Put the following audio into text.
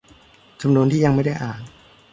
จำนวนที่ยังไม่ได้อ่าน